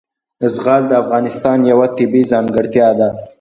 زغال د افغانستان یوه طبیعي ځانګړتیا ده.